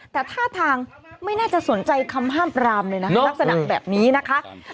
แต่ท่าทางไม่น่าจะสนใจคำห้ามปรามเลยนะคะลักษณะแบบนี้นะคะ